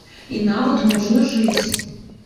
І нават можна жыць.